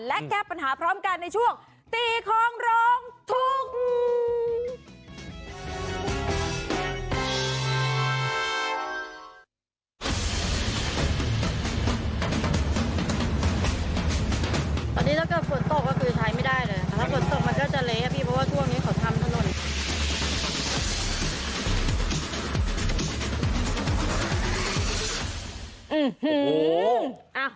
และแก้ปัญหาพร้อมกันในช่วงตีของร้องถูก